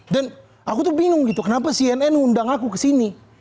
dan aku tuh bingung gitu kenapa cnn undang aku kesini